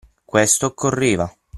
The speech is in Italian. Questo occorreva.